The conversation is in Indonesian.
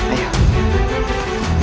silakan raden ikut kami